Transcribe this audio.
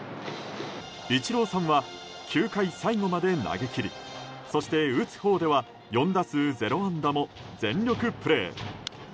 イチローさんは９回最後まで投げ切りそして、打つほうでは４打数０安打も全力プレー。